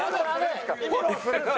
フォローするんですか？